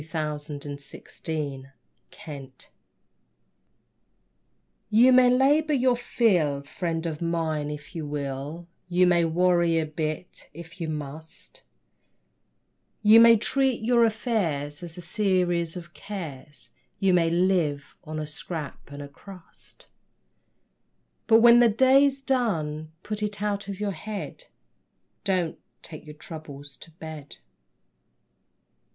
DON'T TAKE YOUR TROUBLES TO BED. You may labor your fill, friend of mine, if you will; You may worry a bit, if you must; You may treat your affairs as a series of cares, You may live on a scrap and a crust; But when the day's done, put it out of your head; Don't take your troubles to bed.